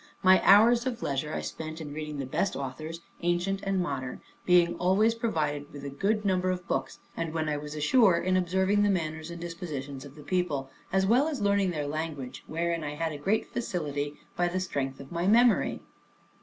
My hours of leisure I spent in reading the best authors, ancient and modern, being always provided with a good number of books; and when I was ashore, in observing the manners and dispositions of the people, as well as learning their language, wherein I had a great facility by the strength of my memory.